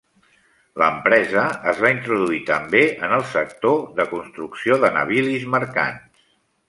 L'empresa es va introduir també en el sector de construcció de navilis mercants.